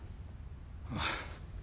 ああ。